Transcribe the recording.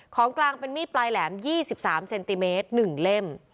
ของกลางเป็นมีดปลายแหลม๒๓เซนติเมตร๑เล่ม